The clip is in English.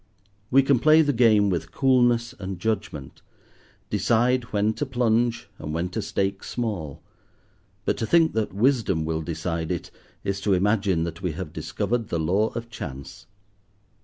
We can play the game with coolness and judgment, decide when to plunge and when to stake small; but to think that wisdom will decide it, is to imagine that we have discovered the law of chance.